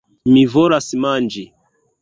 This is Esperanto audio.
Mi volas manĝi.